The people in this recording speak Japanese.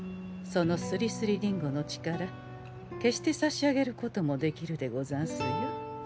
そのスリスリリンゴの力消してさしあげることもできるでござんすよ。